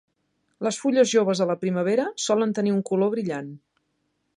Les fulles joves a la primavera solen tenir un color brillant.